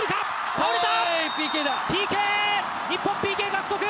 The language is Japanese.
倒れた。